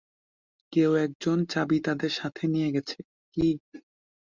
কেও একজন চাবি তাদের সাথে নিয়ে গেছে - কি?